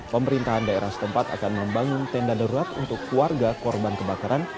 pemerintahan daerah setempat akan membangun tenda darurat untuk keluarga korban kebakaran